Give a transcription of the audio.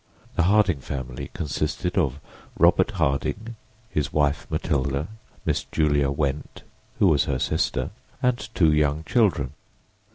The Harding family consisted of Robert Harding, his wife Matilda, Miss Julia Went, who was her sister, and two young children.